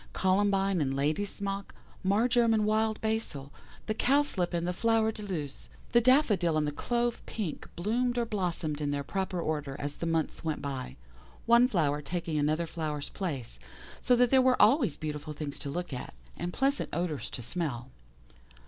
Columbine and Ladysmock, Marjoram and Wild Basil, the Cowslip and the Flower de luce, the Daffodil and the Clove Pink bloomed or blossomed in their proper order as the months went by, one flower taking another flower's place, so that there were always beautiful things to look at, and pleasant odours to smell.